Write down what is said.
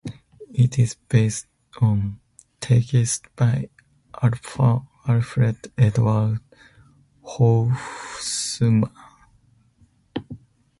It is based on text by Alfred Edward Housman.